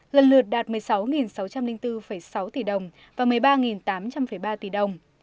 lần lượt đạt một mươi sáu sáu trăm linh bốn sáu tỷ đồng và một mươi ba tám trăm linh ba tỷ đồng